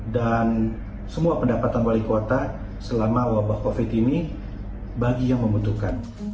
dan semua pendapatan wali kota selama wabah covid ini bagi yang membutuhkan